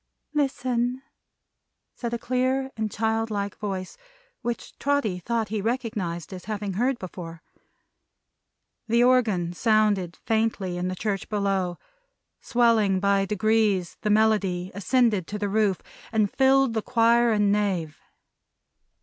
"Listen!" said a clear and child like voice, which Trotty thought he recognized as having heard before. The organ sounded faintly in the church below. Swelling by degrees, the melody ascended to the roof, and filled the choir and nave.